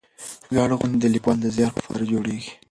ویاړ غونډې د لیکوالو د زیار په پار جوړېږي.